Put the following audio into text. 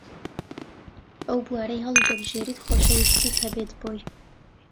ئەو بوارەی هەڵیدەبژێریت خۆشەویستیت هەبێت بۆی